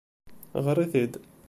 Ɣeṛ-it-id.